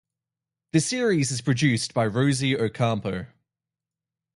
The series is produced by Rosy Ocampo.